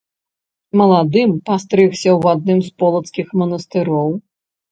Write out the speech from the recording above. Маладым пастрыгся ў адным з полацкіх манастыроў.